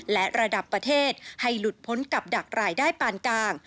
และระดับประเทศให้หลุดพ้นกับดักรายได้ปานกลาง